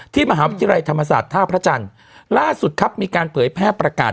มหาวิทยาลัยธรรมศาสตร์ท่าพระจันทร์ล่าสุดครับมีการเผยแพร่ประกาศ